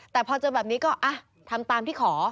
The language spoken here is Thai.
แต่พอเจอแบบนี้ก็ทำตามที่ขอ